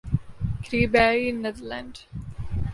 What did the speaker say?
کریبیائی Netherlands